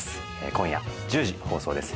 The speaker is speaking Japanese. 今夜１０時放送です